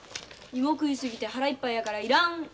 芋食い過ぎて腹いっぱいやからいらんわ！